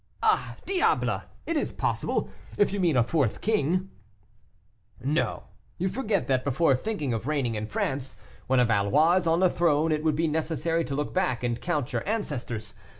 "Ah, diable! it is possible! If you mean a fourth king " "No; you forget that before thinking of reigning in France, when a Valois is on the throne, it would be necessary to look back and count your ancestors.